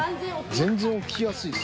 全然置きやすいっす。